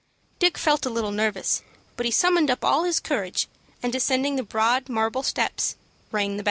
Dick felt a little nervous, but he summoned up all his courage, and, ascending the broad marble steps, rang the bell.